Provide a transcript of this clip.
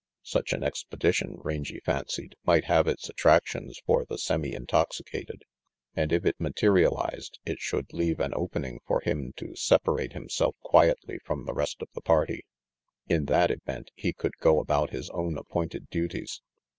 Such an expedition, feangy fancied, might have its attractions for the semi intoxicated, and if it materialized it should leave an opening for him to separate himself quietly from the rest of the party. In that event he could go about his own appointed duties.